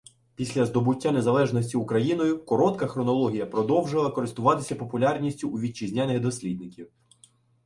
Після здобуття незалежності Україною «коротка» хронологія продовжила користуватися популярністю у вітчизняних дослідників.